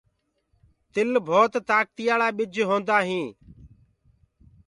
تل ڀوت تآڪتيآݪآ ٻج هوندآ هينٚ۔